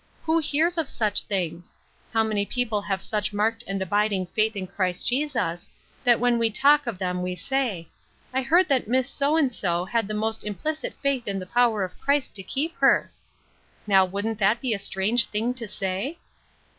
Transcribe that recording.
Who hears of such things ? How many people have such marked and abiding faith in Christ Jesus, that when we talk of them we say, ' I heard that Miss So and So had the most implicit faith in the power of Christ to keep her.' Now wouldn't that be a strange thing to say